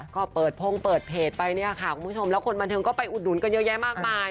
ก็เปิดพงเปิดเพจไปเนี่ยค่ะคุณผู้ชมแล้วคนบันเทิงก็ไปอุดหนุนกันเยอะแยะมากมาย